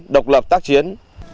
độc lập tác chiến